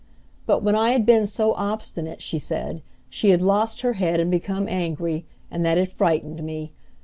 But when I had been so obstinate, she said, she had lost her head and become angry, and that had frightened me.